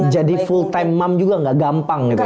jadi full time mom juga nggak gampang gitu ya